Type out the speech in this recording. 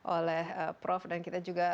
oleh prof dan kita juga